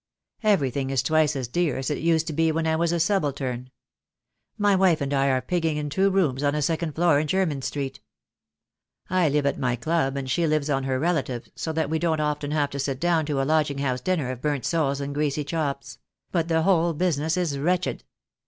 Everything is twice as dear as it used to be when I was a subaltern. My wife and I are pigging in two rooms on a second floor in Jermyn Street. I live at my club, and she lives on her relatives, so that we don't often have to sit down to a lodging house dinner of burnt soles and greasy chops; but the whole business is wretched.